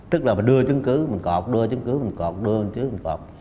tức là mình đưa chứng cứ mình cọt đưa chứng cứ mình cọt đưa chứng cứ mình cọt